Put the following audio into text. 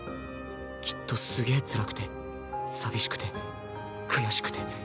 きっとすげぇつらくて寂しくて悔しくて。